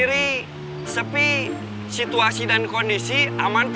orang tidak menjadi